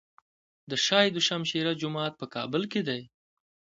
د شاه دوشمشیره جومات په کابل کې دی